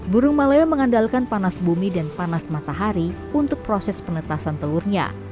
burung maleo mengandalkan panas bumi dan panas matahari untuk proses penetasan telurnya